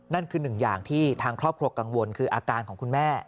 นั่นคือหนึ่งอย่างที่ทางครอบครัวกังวลคืออาการของคุณแม่